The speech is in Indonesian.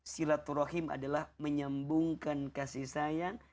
silaturahim adalah menyambungkan kasih sayang